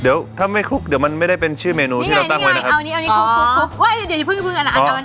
เดี๋ยวถ้าไม่คลุกเดี๋ยวมันไม่ได้เป็นชื่อเมนูที่เราตั้งไว้นะครับ